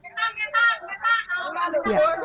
ketan ketan ketan ketan ketan